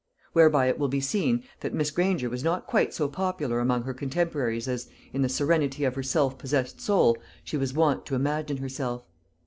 Whereby it will be seen that Miss Granger was not quite so popular among her contemporaries as, in the serenity of her self possessed soul, she was wont to imagine herself.